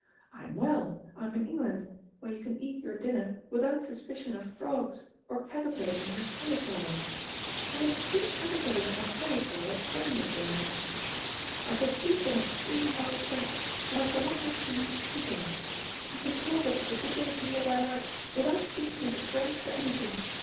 I am well, I am in England, where you can eat your dinner without suspicion of frogs, or caterpillars in your cauliflower. I had two caterpillars in my cauliflower at Zermatt one night. I shall sleep in a clean white bed, and I shall not have to use Keating. I can talk as ridiculously as I like, without thinking of the French for anything.